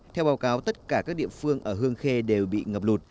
theo báo cáo tất cả các địa phương ở hương khê đều bị ngập lụt